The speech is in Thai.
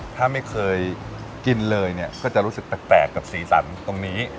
ถ้าไม่เคยกินเลยเนี่ยก็จะรู้สึกแปลกกับสีสันตรงนี้